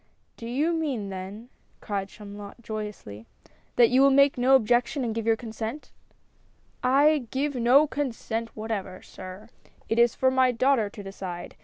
"Do you mean then," cried Chamulot, joyously, 28 A FISH SUPPER. that you will make no objection and give your con sent?" "I give no consent w^hatever, sir; it is for my daughter to decide.